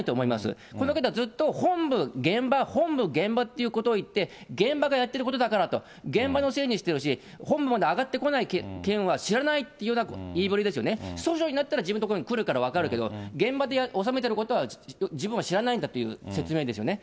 これだけではずっと本部、現場、本部、現場といって、現場がやってることだからといって、現場のせいにしているし、本部まで上がってこない件は知らないというような言いぶりですよね、訴訟になったら自分のところにくるから分かるけど、現場でおさめてることは自分は知らないんだっていう説明ですよね。